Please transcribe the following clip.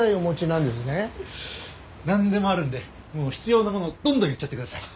なんでもあるんで必要なものどんどん言っちゃってください。